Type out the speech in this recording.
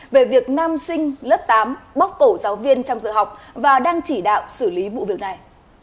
về việc nam sinh lớp tám bóc cổ giáo viên trong dự học và đang chỉ đạo xử lý vụ việc này